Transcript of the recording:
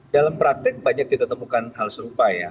dalam praktik banyak ditemukan hal serupa ya